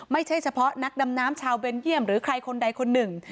ไม่ใช่เฉพาะนักดำน้ำชาวเบลเยี่ยมหรือใครคนใดคนหนึ่ง